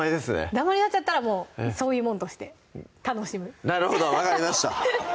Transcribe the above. ダマになっちゃったらもうそういうもんとして楽しむなるほど分かりました